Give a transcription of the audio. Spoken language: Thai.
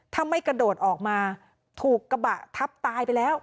ถ้าไม่กระโดดออกมาถูกกระบะทับตายไปแล้ว